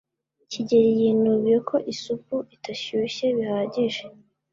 Kigeri yinubiye ko isupu itashyushye bihagije.